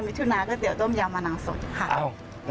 มิทุนาก๋วยเตี๋ยวต้มยำมะนาวสดค่ะ